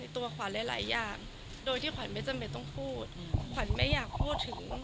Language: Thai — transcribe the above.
ตัวขวัญหลายอย่างโดยที่ขวัญไม่จำเป็นต้องพูดขวัญไม่อยากพูดถึง